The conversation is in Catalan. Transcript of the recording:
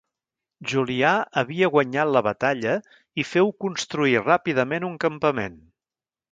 Julià havia guanyat la batalla i féu construir ràpidament un campament.